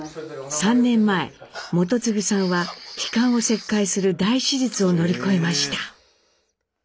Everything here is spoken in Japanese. ３年前基次さんは気管を切開する大手術を乗り越えました。